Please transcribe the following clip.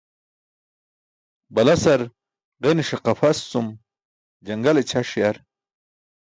Balasar ġenise qapʰas cum jaṅgale ćʰaṣ yar.